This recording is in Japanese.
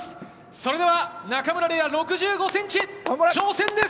それでは中村嶺亜、６５センチ、挑戦です。